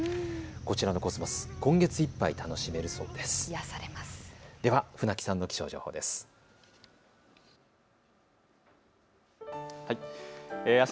こちらのコスモス、今月いっぱい楽しめるそうです。